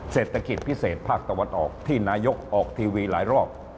เศรษฐกิจพิเศษภาคตะวันออกที่นายกออกทีวีหลายรอบ